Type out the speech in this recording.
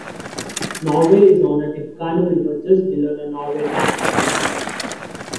Norway is on Tippecanoe River just below the Norway Dam.